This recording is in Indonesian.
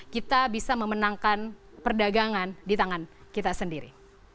kita bisa memenangkan perdagangan di tangan kita sendiri